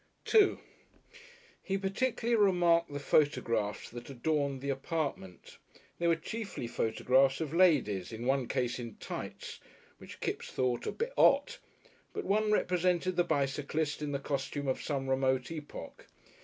§2 He particularly remarked the photographs that adorned the apartment. They were chiefly photographs of ladies, in one case in tights, which Kipps thought a "bit 'ot," but one represented the bicyclist in the costume of some remote epoch.